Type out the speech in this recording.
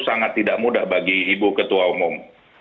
sangat tidak mudah bagi ibu ketua umum